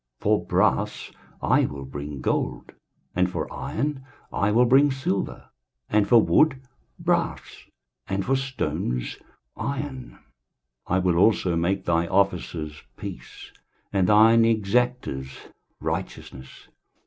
23:060:017 For brass I will bring gold, and for iron I will bring silver, and for wood brass, and for stones iron: I will also make thy officers peace, and thine exactors righteousness.